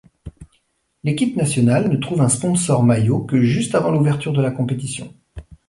L'équipe nationale ne trouve un sponsor maillot que juste avant l'ouverture de la compétition.